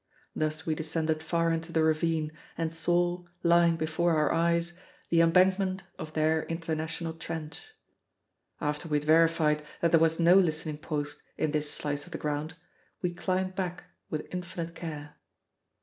Thus we descended far into the ravine, and saw, lying before our eyes, the embankment of their International Trench. After we had verified that there was no listening post in this slice of the ground we climbed back, with infinite care.